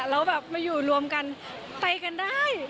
แล้วแบบมาอยู่รวมกันไปกันได้